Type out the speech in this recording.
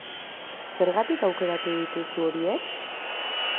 Zergatik aukeratu dituzu horiek?